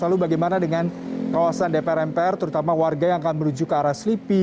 lalu bagaimana dengan kawasan dpr mpr terutama warga yang akan menuju ke arah selipi